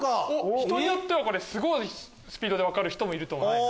人によってはすごいスピードで分かる人もいると思います。